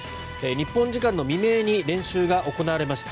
日本時間の未明に練習が行われました。